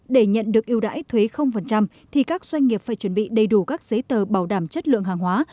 để nhận được yêu đãi thuế thì các doanh nghiệp phải chuẩn bị đầy đủ các giấy tờ bảo đảm chất lượng hàng hóa